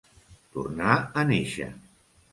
Tornar a néixer.